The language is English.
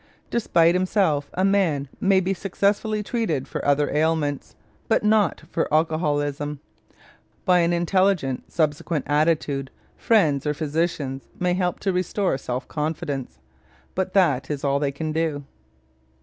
Despite himself a man may be successfully treated for other ailments, but not for alcoholism. By an intelligent subsequent attitude friends or physicians may help to restore self confidence, but that is all they can do.